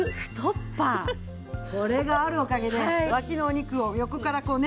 これがあるおかげで脇のお肉を横からこうねっ。